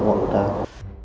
đối với công ty đà nẵng